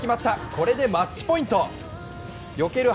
これでマッチポイント。